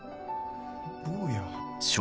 坊や。